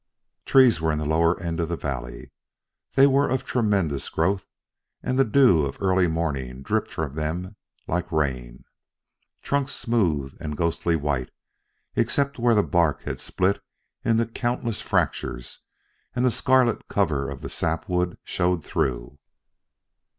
Trees were in the lower end of the valley. They were of tremendous growth, and the dew of early morning dripped from them like rain. Trunks smooth and ghostly white, except where the bark had split into countless fractures and the scarlet color of the sap wood showed through.